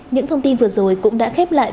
những thông tin vừa rồi cũng đã khép lại